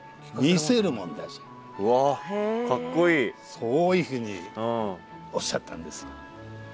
そういうふうにおっしゃったんです。